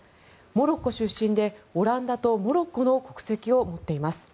モロッコ出身でオランダとモロッコの国籍を持っています。